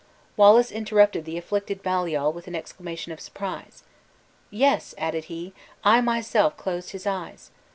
Wallace interrupted the afflicted Baliol with an exclamation of surprise. "Yes," added he, "I myself closed his eyes.